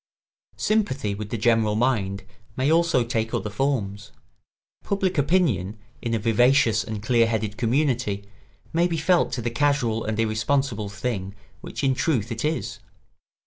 ] Sympathy with the general mind may also take other forms. Public opinion, in a vivacious and clear headed community, may be felt to be the casual and irresponsible thing which in truth it is.